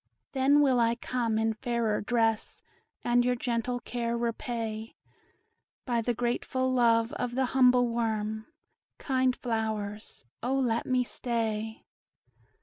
Then will I come in a fairer dress, And your gentle care repay By the grateful love of the humble worm; Kind flowers, O let me stay!"